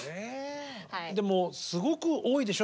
でもすごく多いでしょ？